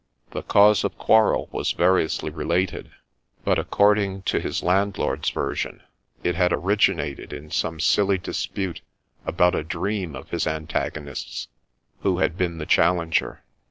The cause of quarrel was variously related ; but, according to his land lord's version, it had originated in some silly dispute about a dream of his antagonist's, who had been the challenger.